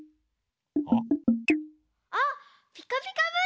あっ「ピカピカブ！」